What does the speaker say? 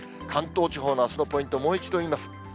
関東地方のあすのポイント、もう一度言います。